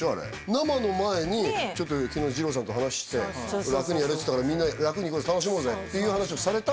生の前に昨日じろうさんと話して楽にやれっつったからみんな楽にいこうぜ楽しもうぜっていう話をされた？